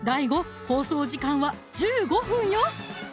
放送時間は１５分よ！